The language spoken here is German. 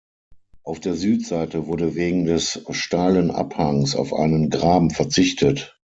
Auf der Südseite wurde wegen des steilen Abhangs auf einen Graben verzichtet.